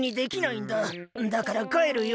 だからかえるよ。